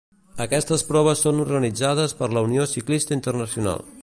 Aquestes proves són organitzades per la Unió Ciclista Internacional.